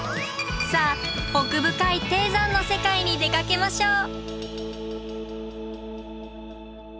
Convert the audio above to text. さあ奥深い低山の世界に出かけましょう！